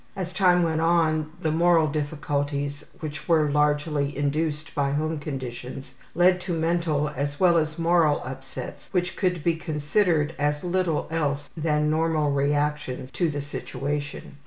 As time went on, the moral difficulties, which were largely induced by family conditions, led to mental as well as moral upsets which could be considered as little else than normal reactions to the situation.